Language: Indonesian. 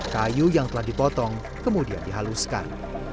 kayu yang telah dipotong kemudian dihaluskan